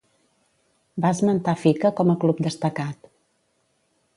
Va esmentar fica com a club destacat.